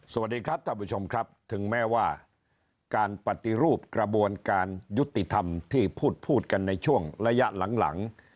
สวัสดีครับท่านผู้ชมครับถึงแม้ว่าการปฏิรูปกระบวนการยุติธรรมที่พูดพูดกันในช่วงระยะหลัง